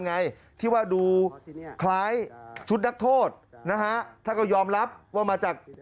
ไงที่ว่าดูคล้ายชุดนักโทษนะฮะท่านก็ยอมรับว่ามาจาก